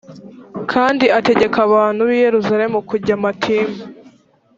kandi ategeka abantu b i yerusalemu kujya matiba